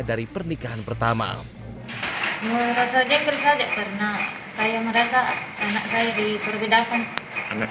dari pernikahan pertama merasa jengkel saja karena saya merasa anak saya diperbedakan anak